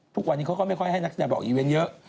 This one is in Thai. ทุกวันนี้เขาก็ไม่ค่อยให้นักแสดงออกอีเวนต์เยอะ